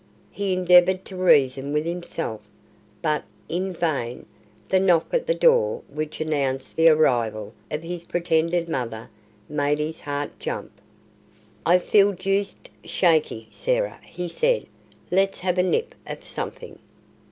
He endeavoured to reason with himself, but in vain; the knock at the door which announced the arrival of his pretended mother made his heart jump. "I feel deuced shaky, Sarah," he said. "Let's have a nip of something."